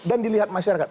dan dilihat masyarakat